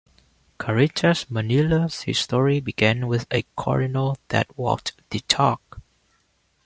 Caritas Manila's history began with a Cardinal that "walked the talk".